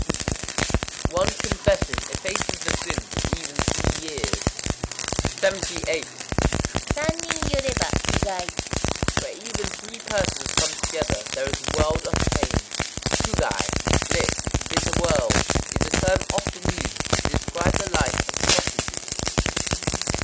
_ One confession effaces the sins of even three years. 78.—San nin yoréba, kugai. Where even three persons come together, there is a world of pain. Kugai (lit.: "bitter world") is a term often used to describe the life of a prostitute.